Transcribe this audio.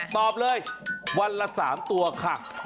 ตอบเลยวันละ๓ตัวค่ะ